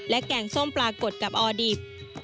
แกงส้มปลากดกับออดิบ